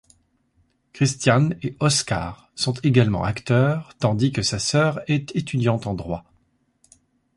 Christian et Óscar sont également acteurs, tandis que sa sœur est étudiante en droit.